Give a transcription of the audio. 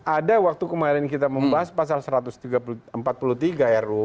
ada waktu kemarin kita membahas pasal satu ratus empat puluh tiga ru